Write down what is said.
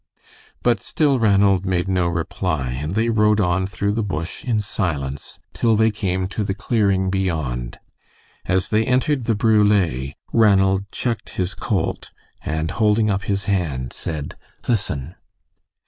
But still Ranald made no reply, and they rode on through the bush in silence till they came to the clearing beyond. As they entered the brule, Ranald checked his colt, and holding up his hand, said, "Listen!"